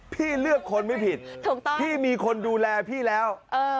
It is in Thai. พี่เลือกคนไม่ผิดพี่มีคนดูแลพี่แล้ว